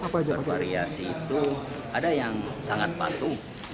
bervariasi itu ada yang sangat patuh